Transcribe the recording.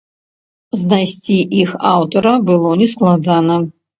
Знайсці іх аўтара было нескладана.